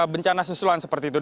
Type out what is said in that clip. bencana sesuai seperti itu